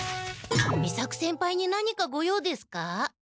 伊作先輩に何かご用ですか？